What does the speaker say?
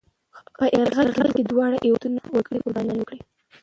په یرغل کې دواړو هېوادنو وګړي قربانۍ ورکړې.